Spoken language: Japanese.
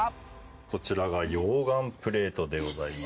こちらが溶岩プレートでございます。